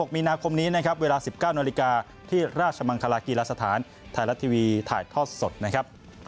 มีนาคมนี้นะครับเวลา๑๙นาฬิกาที่ราชมังคลากีฬาสถานไทยรัฐทีวีถ่ายทอดสดนะครับ